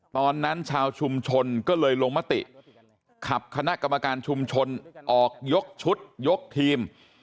ตอนนั้นชาวชุมชนก็เลยลงมติขับคณะกรรมการชุมชนออกยกชุดยกทีม